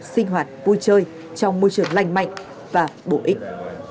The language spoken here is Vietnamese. sinh hoạt vui chơi trong môi trường lành mạnh và bổ ích